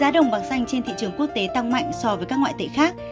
giá đồng bằng xanh trên thị trường quốc tế tăng mạnh so với các ngoại tệ khác